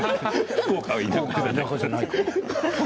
福岡は田舎じゃないから。